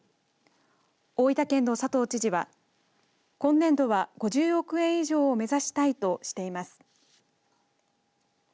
大分県の佐藤知事は今年度は５０億円以上を目指したいとしています。